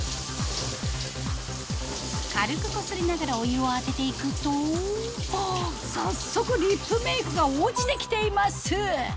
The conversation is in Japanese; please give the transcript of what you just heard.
軽くこすりながらお湯を当てていくと早速リップメイクが落ちてきています！